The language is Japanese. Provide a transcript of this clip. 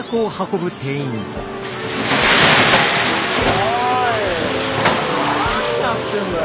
おい何やってんだよ！